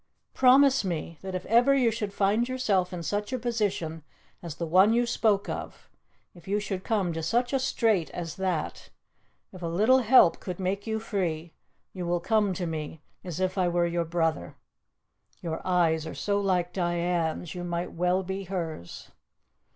Promise me that if ever you should find yourself in such a position as the one you spoke of if you should come to such a strait as that if a little help could make you free, you will come to me as if I were your brother. Your eyes are so like Diane's you might well be hers."